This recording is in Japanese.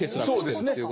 そうですね。